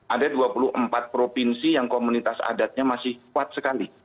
ada dua puluh empat provinsi yang komunitas adatnya masih kuat sekali